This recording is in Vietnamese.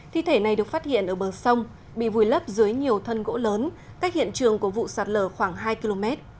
thi thể này được phát hiện ở bờ sông bị vùi lấp dưới nhiều thân gỗ lớn cách hiện trường của vụ sạt lở khoảng hai km